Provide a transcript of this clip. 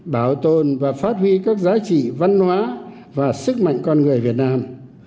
bảo tồn và phát huy các giá trị văn hóa và sức mạnh con người việt nam